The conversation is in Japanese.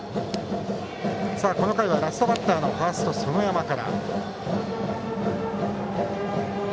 この回はラストバッターのファースト、園山から。